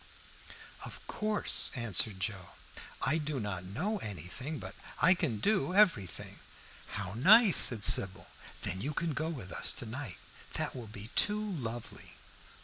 "Of course," answered Joe. "I do not know anything, but I can do everything." "How nice!" said Sybil. "Then you can go with us to night. That will be too lovely!"